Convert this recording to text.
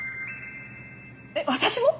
えっ私も？